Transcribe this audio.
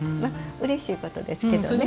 うれしいことですけどね。